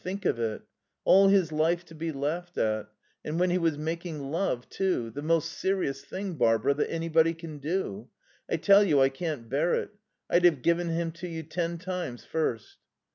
Think of it. All his life to be laughed at. And when he was making love, too; the most serious thing, Barbara, that anybody can do. I tell you I can't bear it. I'd have given him to you ten times first."